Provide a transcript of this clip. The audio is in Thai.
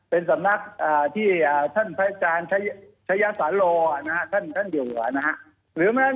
เป็นสำนักที่ท่านพระอาจารย์ชัยสาโลท่านอยู่นะฮะ